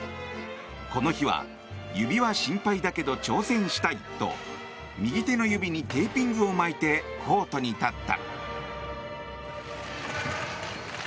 この日は指は心配だけど挑戦したいと右手の指にテーピングを巻いてコートに立った。